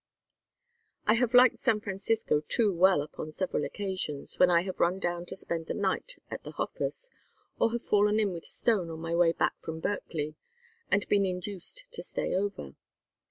"I have liked San Francisco too well upon several occasions when I have run down to spend the night at the Hofers or have fallen in with Stone on my way back from Berkeley, and been induced to stay over.